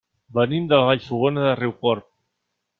Venim de Vallfogona de Riucorb.